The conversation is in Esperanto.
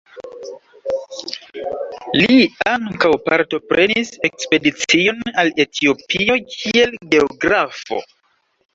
Li ankaŭ partoprenis ekspedicion al Etiopio kiel geografo.